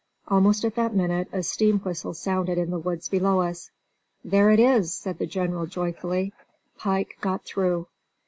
Almost at that minute a steam whistle sounded in the woods below us. "There it is," said the General joyfully. "Pike got through."